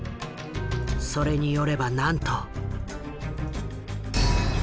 それによればなんと。